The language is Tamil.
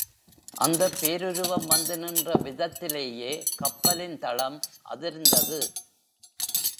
அந்தப் பேருருவம் வந்துநின்ற விதத்திலேயே கப்பலின் தளம் அதிர்ந்தது.